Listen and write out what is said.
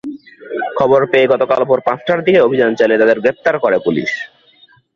খবর পেয়ে গতকাল ভোর পাঁচটার দিকে অভিযান চালিয়ে তাদের গ্রেপ্তার করে পুলিশ।